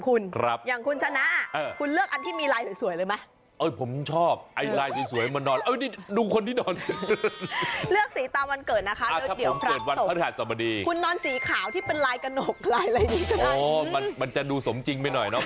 ตรงนี้ที่เธอไม่ไปไกลแล้วจั๊ย